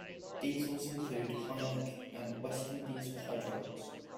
Diesels include "Hymek" and "Western" diesel-hydraulics.